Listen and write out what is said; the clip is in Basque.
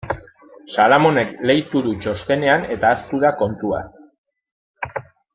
Salamonek leitu du txostenean eta ahaztu da kontuaz.